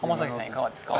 いかがですか？